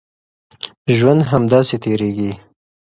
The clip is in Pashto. ژوند همداسې تېرېږي.